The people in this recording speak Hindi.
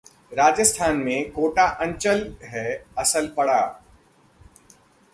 राजस्थान में कोटा अंचल है असल पड़ाव